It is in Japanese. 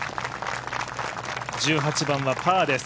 １８番はパーです。